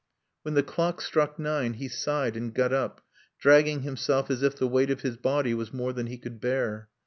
When the clock struck nine he sighed and got up, dragging himself as if the weight of his body was more than he could bear.